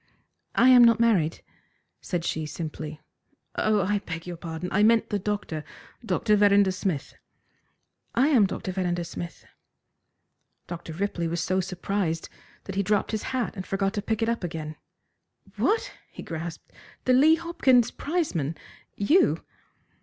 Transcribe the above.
"I am not married," said she simply. "Oh, I beg your pardon! I meant the doctor Dr. Verrinder Smith." "I am Dr. Verrinder Smith." Dr. Ripley was so surprised that he dropped his hat and forgot to pick it up again. "What!" he grasped, "the Lee Hopkins prizeman! You!"